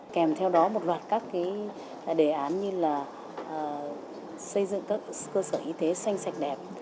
kèm theo đó một loạt các đề án như là xây dựng các cơ sở y tế xanh sạch đẹp